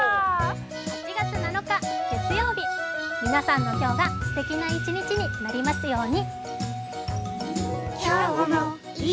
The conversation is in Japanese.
８月７日月曜日、皆さんの今日がすてきな一日になりますように。